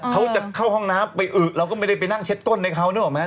เขาจะเข้าห้องน้ำไปอึเราก็ไม่ได้ไปนั่งเช็ดก้นให้เขานึกออกไหม